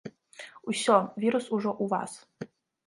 Усё, вірус ужо ў вас.